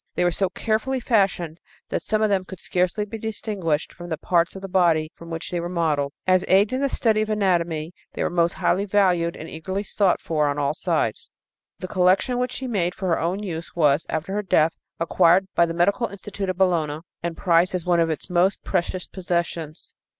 They were so carefully fashioned that some of them could scarcely be distinguished from the parts of the body from which they were modeled. As aids in the study of anatomy they were most highly valued and eagerly sought for on all sides. The collection which she made for her own use was, after her death, acquired by the Medical Institute of Bologna and prized as one of its most precious possessions.